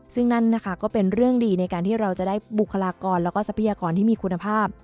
ซึ่งนั่นนะคะก็เป็นเรื่องดีในการที่เราจะได้บุคลากรแล้วก็ทรัพยากรที่มีคุณภาพ